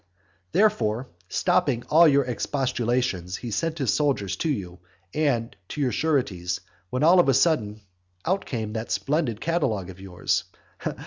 Therefore, stopping all your expostulations, he sent his soldiers to you, and to your sureties, when all on a sudden out came that splendid catalogue of yours.